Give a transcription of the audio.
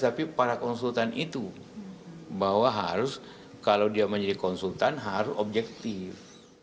tapi para konsultan itu bahwa harus kalau dia menjadi konsultan harus objektif